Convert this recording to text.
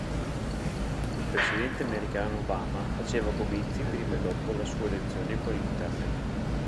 Il presidente americano Obama faceva comizi prima e dopo la sua elezione con internet!